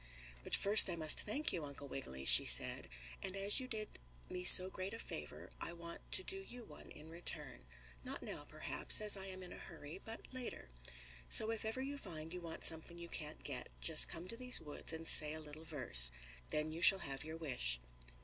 "But first I must thank you, Uncle Wiggily," she said. "And as you did me so great a favor I want to do you one in return. Not now, perhaps, as I am in a hurry, but later. So if ever you find you want something you can't get, just come to these woods and say a little verse. Then you shall have your wish."